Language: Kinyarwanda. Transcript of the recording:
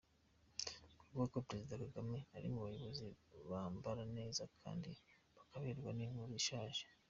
Kuvuga ko Perezida Kagame ari mu bayobozi Bambara neza kandi bakaberwa ni inkuru ishaje.